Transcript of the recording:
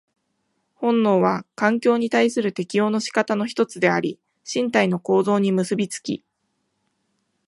本能は環境に対する適応の仕方の一つであり、身体の構造に結び付き、